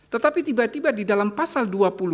tetapi tiba tiba di dalam pasal dua puluh